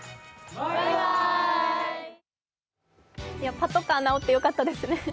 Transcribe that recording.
パトカー直ってよかったですね。